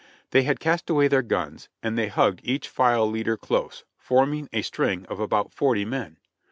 They had cast away their guns and they hugged each file leader close, forming a string of about forty men.